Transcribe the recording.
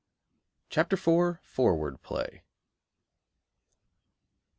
CHAPTER IV. Forward Play.